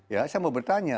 ya saya mau bertanya